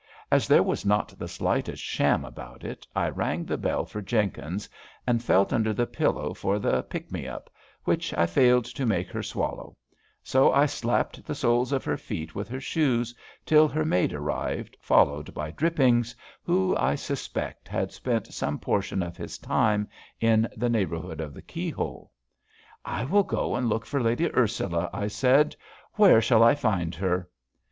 As there was not the slightest sham about it, I rang the bell for Jenkins, and felt under the pillow for the "pick me up," which I failed to make her swallow; so I slapped the soles of her feet with her shoes, till her maid arrived, followed by Drippings, who, I suspect, had spent some portion of his time in the neighbourhood of the keyhole. "I will go and look for Lady Ursula," I said; "where shall I find her?"